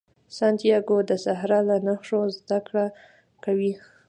سانتیاګو د صحرا له نښو زده کړه کوي.